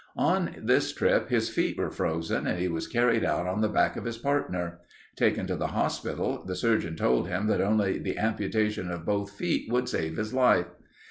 On this trip his feet were frozen and he was carried out on the back of his partner. Taken to the hospital, the surgeon told him that only the amputation of both feet could save his life.